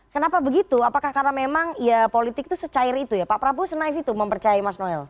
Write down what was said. kenapa begitu apakah karena memang ya politik itu secair itu ya pak prabowo senive itu mempercayai mas noel